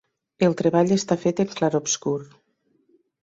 El treball està fet en clarobscur.